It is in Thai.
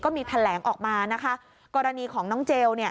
มีแถลงออกมานะคะกรณีของน้องเจล